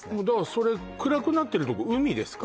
それ暗くなってるとこ海ですか？